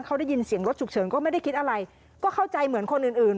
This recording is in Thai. เขาได้ยินเสียงรถฉุกเฉินก็ไม่ได้คิดอะไรก็เข้าใจเหมือนคนอื่นอื่น